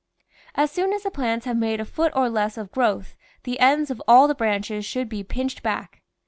As soon as the plants have made a foot or less of growth the ends of all the branches should be pinched back.